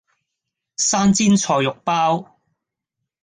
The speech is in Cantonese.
生煎菜肉包